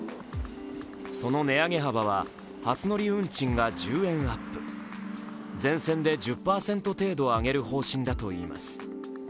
その値上げ幅は、初乗り運賃が１０円アップ、全線で１０％程度上げる方針だといいます。